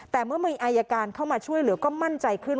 แต่เมื่อมีอายการเข้ามาช่วยเหลือก็มั่นใจขึ้น